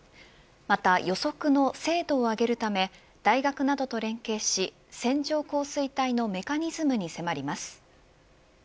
また予測の精度を上げるため大学などと連携し線状降水帯のメカニズムに迫ります。